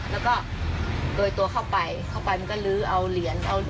แล้วเบยตัวเข้าไปก็ลื้อเหรียญเอาเหรียญเอาเหล้า